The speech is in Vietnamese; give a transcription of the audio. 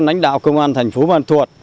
nánh đạo công an thành phố bôn ma thuật